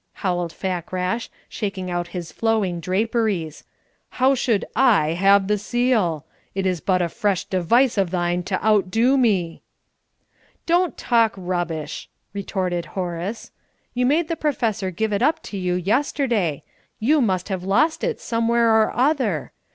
howled Fakrash, shaking out his flowing draperies. "How should I have the seal? This is but a fresh device of thine to undo me!" "Don't talk rubbish!" retorted Horace. "You made the Professor give it up to you yesterday. You must have lost it somewhere or other.